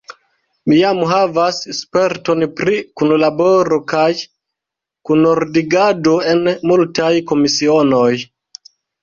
Mi jam havas sperton pri kunlaboro kaj kunordigado en multaj komisionoj.